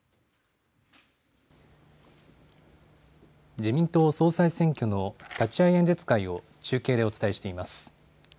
自民党総裁選挙の立会演説会を中継でお伝えしております。